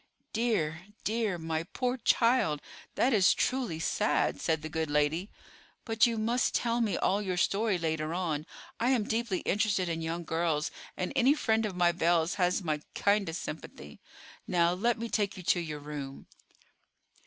"Dear, dear, my poor child; that is truly sad," said the good lady. "But you must tell me all your story later on. I am deeply interested in young girls, and any friend of my Belle's has my kindest sympathy. Now, let me take you to your room."